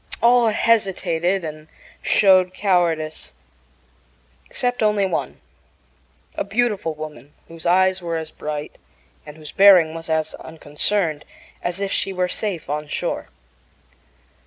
All hesitated and showed cowardice, except only one a beautiful woman whose eyes were as bright and whose bearing was as unconcerned as if she were safe on shore.